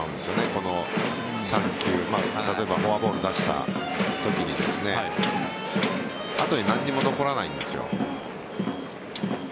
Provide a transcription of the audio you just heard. この３球例えばフォアボールを出したときに後に何も残らないんですよ。